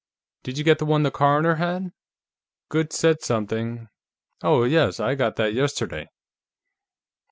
"Did you get the one the coroner had? Goode said something " "Oh, yes; I got that yesterday."